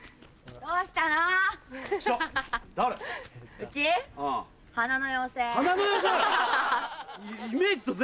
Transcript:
どうしたの？